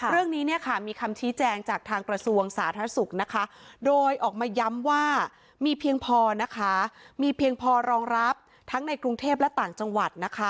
เรื่องนี้มีคำชี้แจงจากทางประสูงสาธารณสุขโดยออกมาย้ำว่ามีเพียงพอรองรับทั้งในกรุงเทพและต่างจังหวัด